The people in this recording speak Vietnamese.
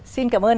xin cảm ơn